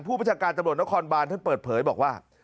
ประชาการตำรวจนครบานท่านเปิดเผยบอกว่า